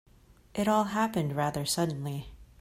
It all happened rather suddenly.